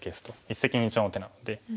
一石二鳥の手なので。